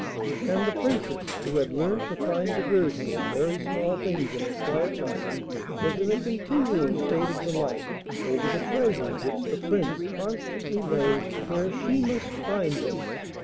And the Princess, who had learnt to find diversion in very small things in her quiet life, was in a continual state of delight over the treasures which the Prince constantly laid where she must find them.